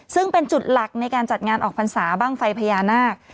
ซึ่งเป็นจุดหลักในการจัดงานออกพรรษาบ้างไฟพญานาค